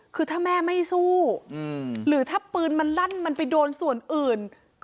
คือถ้าแม่ไม่สู้หรือถ้าปืนมันลั่นมันไปโดนส่วนอื่น